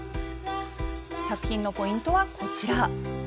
作品のポイントはこちら。